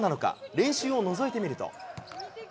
練習をのぞいてみると。